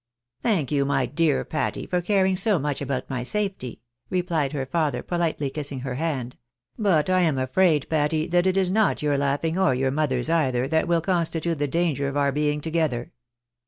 "Thank you, my dear Patty, for caring so much about my safety," repUed her father, politely kissing her hand, " But I am afraid, Patty, that it is not your laughing, or your mother's either, that will constitute the danger of our being together."